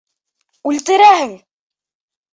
Үлтерәһең!